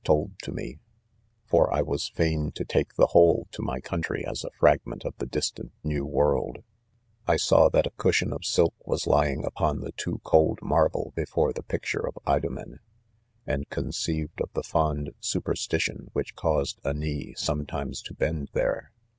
75 told to me; for I was fain to take the whole to my country as a fragment of the distant new world, I saw that a cushion of silk was lying upon the too cold marble before the picture of 1 do men ; and conceived of the fond superstition which caused a knee sometimes to bend there.